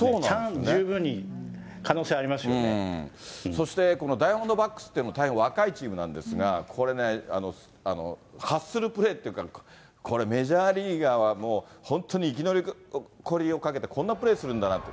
そして、ダイヤモンドバックスっていうのは大変若いチームなんですが、これね、ハッスルプレーっていうか、これ、メジャーリーガーはもう、本当に生き残りをかけてこんなプレーするんだなって。